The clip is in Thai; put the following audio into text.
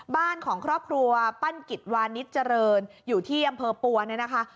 บ้านของครอบครัวปั้นกิจวานิสเจริญอยู่ที่อำเภอปัวเนี่ยนะคะ